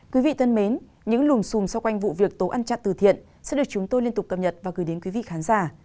quý vị thân mến những lùn xùm xoay quanh vụ việc tố ăn cha từ thiện sẽ được chúng tôi liên tục cập nhật và gửi đến quý vị khán giả